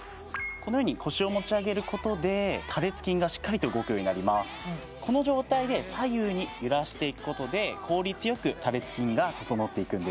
このように腰を持ち上げることで多裂筋がしっかりと動くようになりますこの状態で左右に揺らしていくことで効率よく多裂筋が整っていくんです